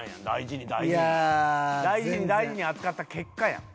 大事に大事に扱った結果や。